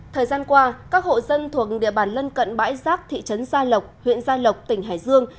thời gian qua các hộ dân thuộc địa bàn lân cận bãi rác thị trấn gia lộc huyện gia lộc tỉnh hải dương